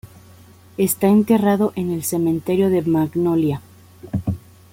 Está enterrado en el cementerio de Magnolia.